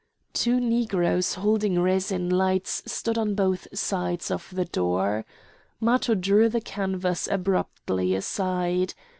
Two Negroes holding resin lights stood on both sides of the door. Matho drew the canvas abruptly aside.